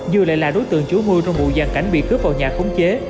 dư lại là đối tượng chủ mưu trong vụ giàn cảnh bị cướp vào nhà khống chế